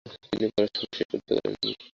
তিনি পড়াশোনা শেষ করতে পারেননি।